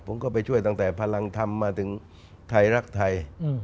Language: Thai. ผมก็ไปช่วยตั้งแต่พลังธรรมมาถึงไทยรักไทย